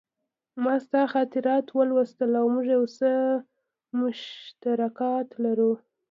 ما ستا خاطرات ولوستل او موږ یو څه مشترکات لرو